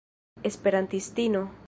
esperantistino